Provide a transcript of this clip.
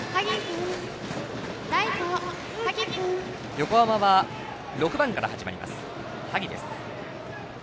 横浜は６番から始まります、萩。